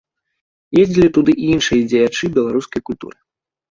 Ездзілі туды і іншыя дзеячы беларускай культуры.